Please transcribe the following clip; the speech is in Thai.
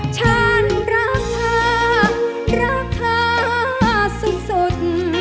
ฉันรักเธอรักเธอสุด